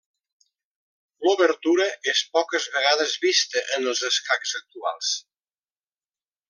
L'obertura és poques vegades vista en els escacs actuals.